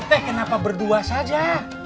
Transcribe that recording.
ini teh kenapa berdua saja